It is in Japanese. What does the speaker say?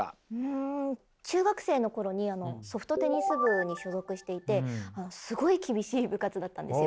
ん？中学生の頃にソフトテニス部に所属していてすごい厳しい部活だったんですよ。